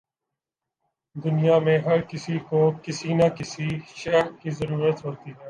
دنیا میں ہر کسی کو کسی نہ کسی شے کی ضرورت ہے